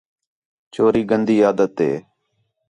چوری گندی عادت ہے